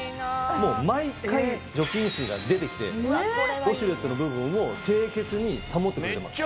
もう毎回除菌水が出てきてウォシュレットの部分を清潔に保ってくれます。